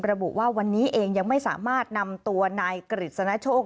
ระบุว่าวันนี้เองยังไม่สามารถนำตัวนายกฤษณโชค